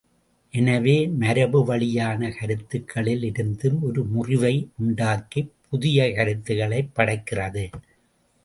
எனவே மரபு வழியான கருத்துகளில் இருந்தும் ஒரு முறிவை உண்டாக்கிப் புதிய கருத்துக்களைப் படைக்கிறது.